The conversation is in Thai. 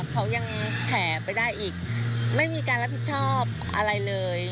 เขายังแผ่ไปได้อีกไม่มีการรับผิดชอบอะไรเลย